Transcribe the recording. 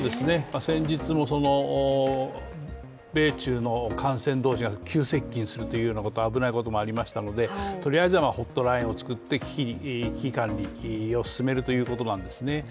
先日の米中の艦船同士が急接近するという危ないこともありましたのでとりあえずはホットラインを作って、危機管理を進めるということなんですね。